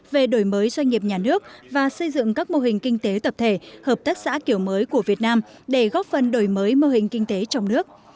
về đổi mới doanh nghiệp nhà nước và xây dựng các mô hình kinh tế tập thể hợp tác xã kiểu mới của việt nam để góp phần đổi mới mô hình kinh tế trong nước